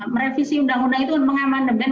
merevisi undang undang itu mengamandemen